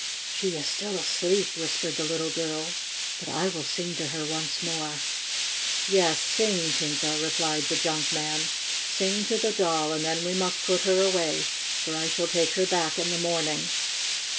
"She is still asleep," whispered the little girl. "But I will sing to her once more." "Yes, sing, Tinka," replied the junk man. '* Sing to the Doll, and then we must put her away, for I shall take her back in the morning."